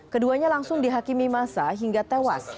keduanya langsung dihakimi masa hingga tewas